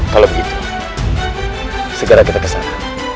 kalau begitu segera kita kesana